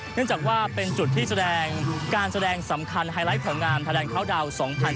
เนื่องจากว่าเป็นจุดที่แสดงการแสดงสำคัญไฮไลท์ผลงานไทยแลนดาวน์๒๐๑๖